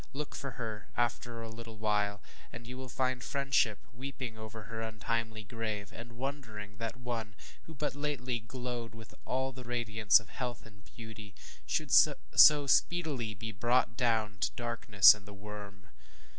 Look for her, after a little while, and you find friendship weeping over her untimely grave, and wondering that one, who but lately glowed with all the radiance of health and beauty, should so speedily be brought down to ŌĆ£darkness and the worm.